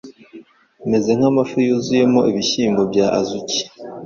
imeze nkamafi yuzuyemo ibihyimbo bya azuki